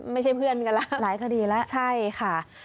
ไม่ใช่เพื่อนกันแล้วใช่ค่ะหลายคดีแล้ว